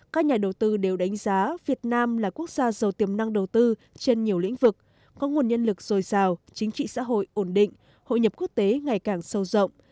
các nhà đầu tư đều đánh giá việt nam là quốc gia giàu tiềm năng đầu tư trên nhiều lĩnh vực có nguồn nhân lực dồi dào chính trị xã hội ổn định hội nhập quốc tế ngày càng sâu rộng